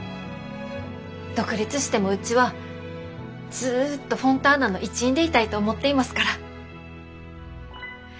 独立してもうちはずっとフォンターナの一員でいたいと思っていますから。